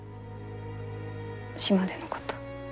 島でのこと。